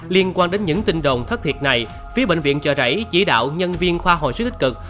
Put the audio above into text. liên quan đến những tin đồn thất thiệt này phía bệnh viện chợ rẫy chỉ đạo nhân viên khoa hồi sức tích cực